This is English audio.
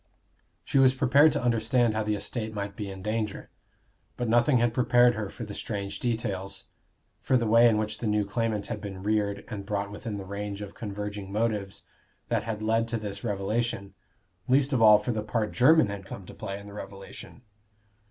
She was prepared to understand how the estate might be in danger; but nothing had prepared her for the strange details for the way in which the new claimant had been reared and brought within the range of converging motives that had led to this revelation, least of all for the part Jermyn had come to play in the revelation.